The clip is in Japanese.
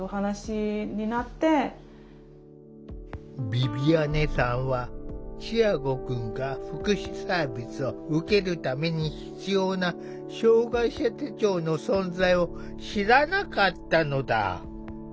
ヴィヴィアネさんはチアゴくんが福祉サービスを受けるために必要な障害者手帳の存在を知らなかったのだ。